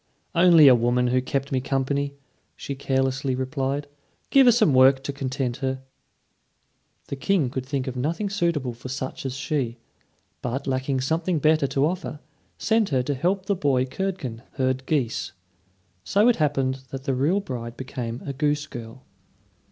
"Only a woman who kept me company," she carelessly replied. "Give her some work to content her." The King could think of nothing suitable for such as she; but lacking something better to offer, sent her to help the boy Curdken herd geese. So it happened that the real bride became a goose girl.